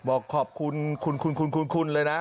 บอกขอบคุณคุณคุณคุณคุณคุณเลยนะ